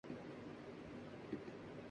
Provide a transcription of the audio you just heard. شب ہوئی پھر انجم رخشندہ کا منظر کھلا